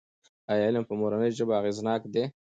ایا علم په مورنۍ ژبه اغېزناک دی؟